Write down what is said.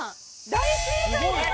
大正解です！